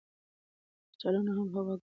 یخچالونه هم هوا ګرموي.